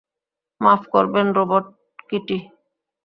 মাফ করবেন, robot Kitty.